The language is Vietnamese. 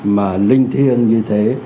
mà linh thiêng như thế